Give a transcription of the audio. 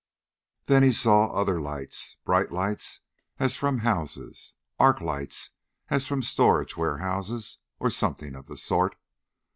Then he saw other lights. Bright lights, as from houses. Arc lights as from storage warehouses, or something of the sort.